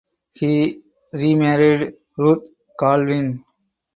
He remarried Ruth Calvin.